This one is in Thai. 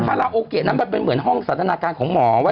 คาลาโอกเกดนั้นมันเหมือนมาเป็นห้องสัตนาการของหมอไว้